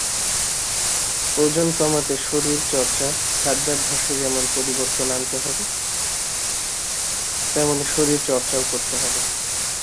ওজন কমাতে শরীর চর্চাখাদ্যাভ্যাসে যেমন পরিবর্তন আনতে হবে, তেমনি শরীর চর্চাও করতে হবে।